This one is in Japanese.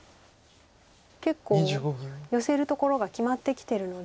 結構ヨセるところが決まってきてるので。